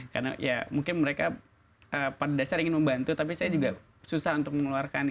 karena ya mungkin mereka pada dasar ingin membantu tapi saya juga susah untuk mengeluarkan